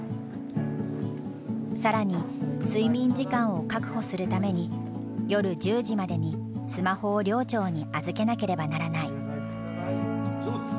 更に睡眠時間を確保するために夜１０時までにスマホを寮長に預けなければならない。